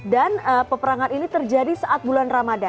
dan peperangan ini juga berlaku di indonesia